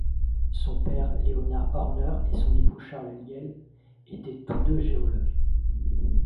Son père Leonard Horner et son époux Charles Lyell étaient tous deux géologues.